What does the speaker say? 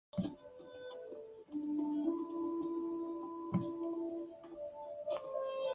依喜多杰生于藏历火龙年藏东康地的米述。